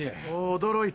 驚いた。